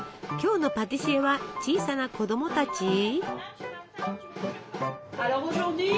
今日のパティシエは小さな子供たち？